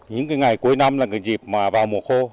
những ngày cuối năm là dịp vào mùa khô